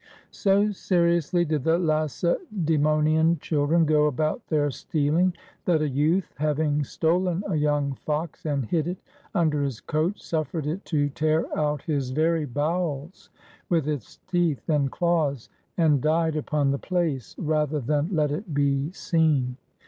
So seriously did the Lacedsemonian children go about their stealing, that a youth, having stolen a young fox and hid it under his coat, suffered it to tear out his very bowels with its teeth and claws, and died upon the place, 44 HOW THE SPARTAN BOYS WERE TRAINED rather than let it be seen.